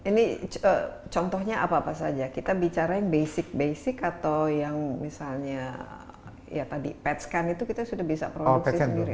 ini contohnya apa saja kita bicara yang basic basic atau yang misalnya ya tadi pet scan itu kita sudah bisa produksi sendiri